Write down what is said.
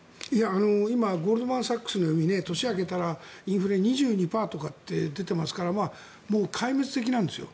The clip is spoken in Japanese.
今ゴールドマン・サックスで見ると年が明けたらインフレ２２％とか出てますから壊滅的なんですよ。